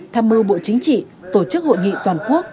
tham mưu bộ chính trị tổ chức hội nghị toàn quốc